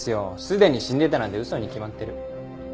すでに死んでたなんて嘘に決まってる。